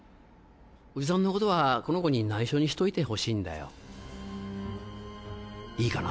おじさんのことはこの子に内緒にしといてほしいんだよ。いいかな？